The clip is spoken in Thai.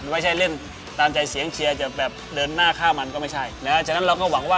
ไม่ใช่เล่นตามใจเสียงเชียร์